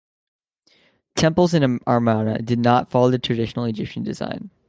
Temples in Amarna did not follow the traditional Egyptian design.